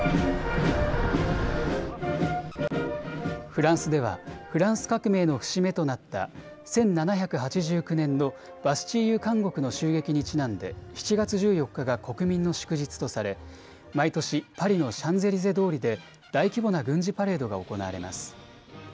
フランスではフランス革命の節目となった１７８９年のバスチーユ監獄の襲撃にちなんで７月１４日が国民の祝日とされ毎年、パリのシャンゼリゼ通りで大規模な軍事パレードが行われます。